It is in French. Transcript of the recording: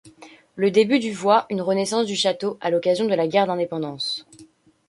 Le début du voit une renaissance du château à l'occasion de la guerre d'Indépendance.